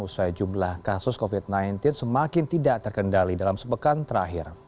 usai jumlah kasus covid sembilan belas semakin tidak terkendali dalam sepekan terakhir